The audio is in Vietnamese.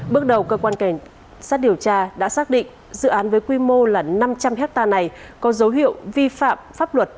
bước đầu cơ quan cảnh sát điều tra đã xác định dự án với quy mô là năm trăm linh hectare này có dấu hiệu vi phạm pháp luật